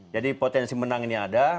jadi potensi menang ini ada